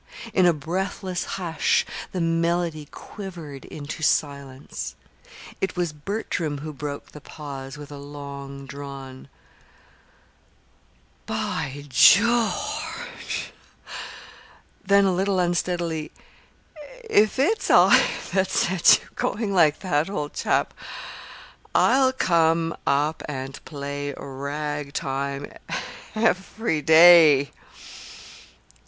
In a breathless hush the melody quivered into silence. It was Bertram who broke the pause with a long drawn: "By George!" Then, a little unsteadily: "If it's I that set you going like that, old chap, I'll come up and play ragtime every day!"